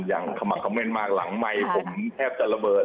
อย่างขมะคำเม้นมากหลังไมค์ผมแทบจะระเบิดเลย